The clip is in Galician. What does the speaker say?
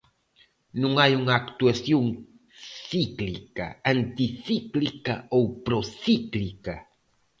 Non hai unha actuación cíclica, anticíclica ou procíclica.